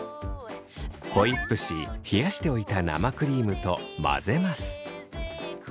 ホイップし冷やしておいた生クリームと混ぜます。